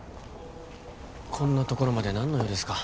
こんなところまで何の用ですか？